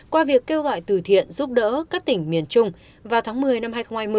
qua việc kêu gọi từ thiện giúp đỡ các tỉnh miền trung vào tháng một mươi năm hai nghìn hai mươi